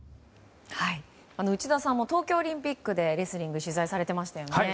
内田さんも東京オリンピックでレスリングを取材されていましたよね。